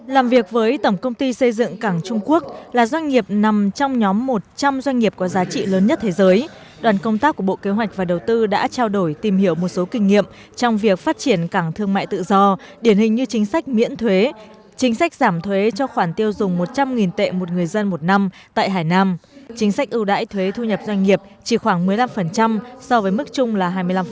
làm việc với tổng công ty xây dựng cảng trung quốc là doanh nghiệp nằm trong nhóm một trăm linh doanh nghiệp có giá trị lớn nhất thế giới đoàn công tác của bộ kế hoạch và đầu tư đã trao đổi tìm hiểu một số kinh nghiệm trong việc phát triển cảng thương mại tự do điển hình như chính sách miễn thuế chính sách giảm thuế cho khoản tiêu dùng một trăm linh tệ một người dân một năm tại hải nam chính sách ưu đãi thuế thu nhập doanh nghiệp chỉ khoảng một mươi năm so với mức chung là hai mươi năm